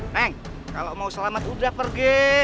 neng kalau mau selamat udah pergi